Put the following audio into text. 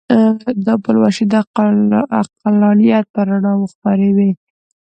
دا پلوشې د عقلانیت پر رڼاوو خپرې وې.